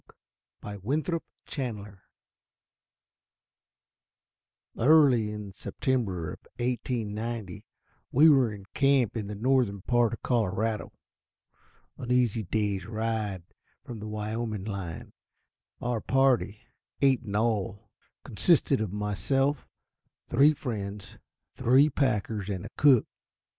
_ A Day with the Elk Early in September of 1890, we were in camp in the northern part of Colorado, an easy day's ride from the Wyoming line. Our party, eight in all, consisted of myself, three friends, three packers, and a cook.